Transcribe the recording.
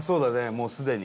もうすでに。